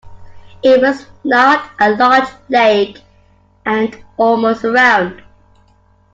It was not a large lake, and almost round.